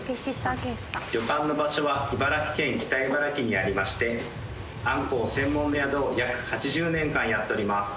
旅館の場所は茨城県北茨城にありましてあんこう専門の宿を約８０年間やっております。